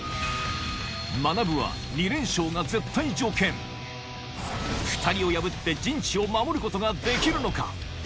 まなぶは２連勝が絶対条件２人を破って陣地を守ることができるのか？